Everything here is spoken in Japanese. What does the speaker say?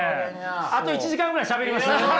あと１時間ぐらいしゃべります？